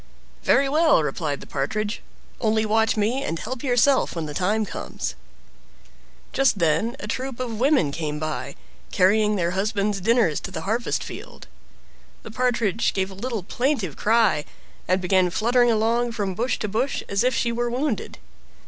"Very well!" replied the Partridge; "only watch me, and help yourself when the time comes." Just then a troop of women came by, carrying their husbands dinners to the harvest field. The Partridge gave a little plaintive cry, and began fluttering along from bush to bush as if she were wounded.